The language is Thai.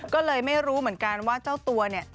ก็เลยไม่รู้เหมือนกันว่าเจ้าตัวเนี่ย